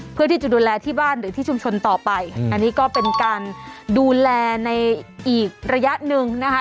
เพื่อที่จะดูแลที่บ้านหรือที่ชุมชนต่อไปอันนี้ก็เป็นการดูแลในอีกระยะหนึ่งนะคะ